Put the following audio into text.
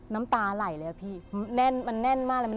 น้ำตาไหลเลยอะพี่แน่นมากเลย